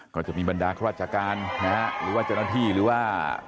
ก็จะมีบรรดาข้าราชการนะฮะหรือว่าเจ้าหน้าที่หรือว่า